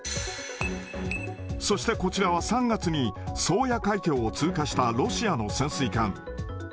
そしてこちらは、３月に宗谷海峡を通過したロシアの潜水艦。